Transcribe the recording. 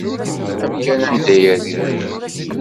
Amkan anda i rriɣ.